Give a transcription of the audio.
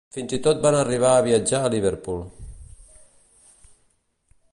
Fins i tot van arribar a viatjar a Liverpool.